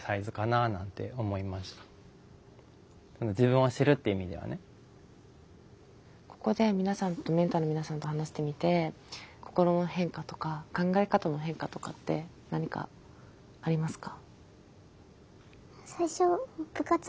だからそれと同じようにここで皆さんとメンターの皆さんと話してみて心の変化とか考え方の変化とかって何かありますか？